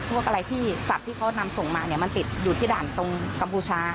พวกอะไรที่สัตว์ที่เขานำส่งมาเนี่ยมันติดอยู่ที่ด่านตรงกัมพูชา